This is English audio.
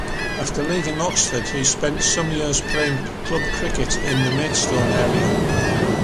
After leaving Oxford, he spent some years playing club cricket in the Maidstone area.